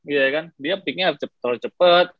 iya kan dia picknya terlalu cepet